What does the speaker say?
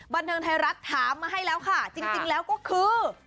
บันเทิงไทยรัฐถามมาให้แล้วค่ะจริงแล้วก็คือ